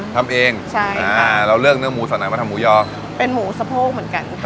ทำเองใช่อ่าเราเลือกเนื้อหมูสดไหนมาทำหมูยอเป็นหมูสะโพกเหมือนกัน